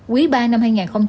quý ba năm hai nghìn hai mươi hai